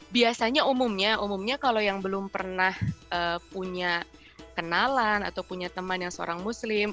biasanya umumnya umumnya kalau yang belum pernah punya kenalan atau punya teman yang seorang muslim